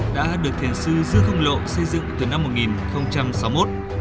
đã được thiền sư dương công lộ xây dựng từ năm một nghìn sáu mươi một